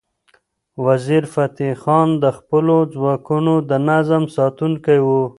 وزیرفتح خان د خپلو ځواکونو د نظم ساتونکی و.